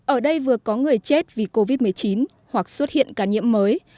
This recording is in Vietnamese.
ở đây vừa có người chết vì covid một mươi chín hoặc xuất hiện ca nhiễm mới